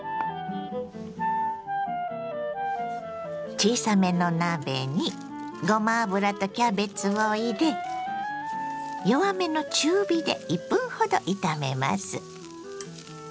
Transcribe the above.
小さめの鍋にごま油とキャベツを入れ弱めの中火で１分ほど炒めます。